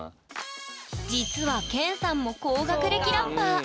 実はＫＥＮさんも高学歴ラッパー。